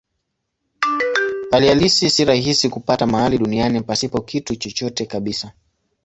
Hali halisi si rahisi kupata mahali duniani pasipo kitu chochote kabisa.